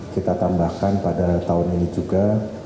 kita tambahkan pada tahun ini juga